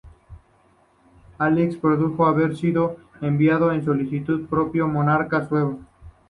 Ajax pudo haber sido enviado en solicitud del propio monarca suevo.